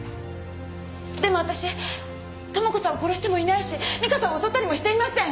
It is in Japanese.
でも私朋子さんを殺してもいないし美香さんを襲ったりもしていません。